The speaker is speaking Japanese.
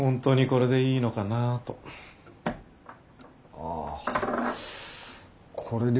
「これでいいのかな」とは？